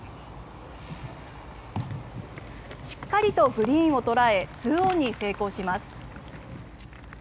しっかりとグリーンを捉え２オンに成功します。